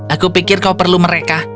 aku pikir kau perlu mereka